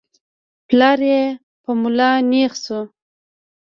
پلار يې په ملا نېغ شو.